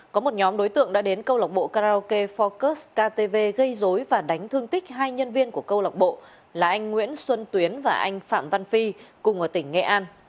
có một nhóm đối tượng đã đến câu lạc bộ karaoke fourcus ktv gây dối và đánh thương tích hai nhân viên của câu lạc bộ là anh nguyễn xuân tuyến và anh phạm văn phi cùng ở tỉnh nghệ an